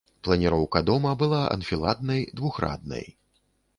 Планіроўка дома была анфіладнай двухраднай.